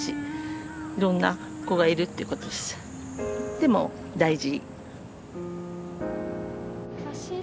でも大事。